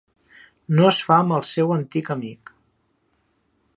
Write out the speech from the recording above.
No es fa amb el seu antic amic.